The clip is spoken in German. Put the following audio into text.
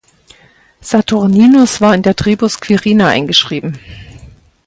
Saturninus war in der Tribus "Quirina" eingeschrieben.